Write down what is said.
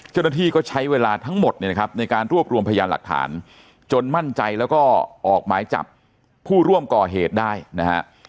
เจ้าหน้าที่ก็ใช้เวลาทั้งหมดเนี่ยนะครับในการรวบรวมพยานหลักฐานจนมั่นใจแล้วก็ออกหมายจับผู้ร่วมก่อเหตุได้นะฮะ